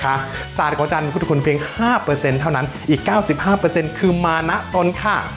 ศาสตร์ของอาจารย์พุทธคุณเพียง๕เท่านั้นอีก๙๕คือมานะตนค่ะ